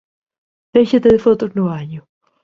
Déixate de fotos no baño.